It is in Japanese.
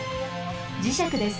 磁石です。